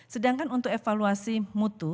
sedangkan untuk evaluasi mutu